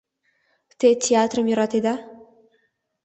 — Те театрым йӧратеда?